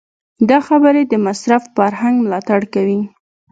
دا خبرې د مصرف فرهنګ ملاتړ کوي.